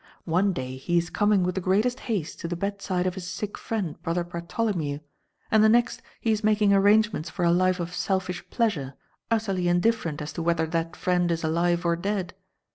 One day he is coming with the greatest haste to the bedside of his sick friend, Brother Bartholomew, the next he is making arrangements for a life of selfish pleasure, utterly indifferent as to whether that friend is alive or dead.